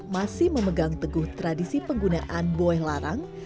masih memegang teguh tradisi penggunaan boeh larang